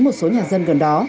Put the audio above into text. một số nhà dân gần đó